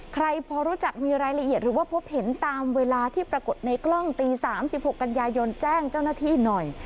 ใครพอรู้จักมีรายละเอียดหรือว่าพบเห็นตามเวลาที่ปรากฏในกล้องตี๓๖กันยายนแจ้งเจ้าหน้าที่หน่อย